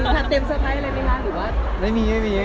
ถัดเต็มสไตล์อะไรไหมครับหรือว่า